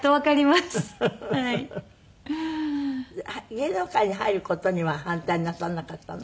芸能界に入る事には反対なさらなかったの？